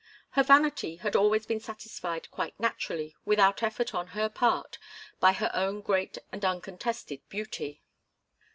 Her vanity had always been satisfied quite naturally, without effort on her part, by her own great and uncontested beauty.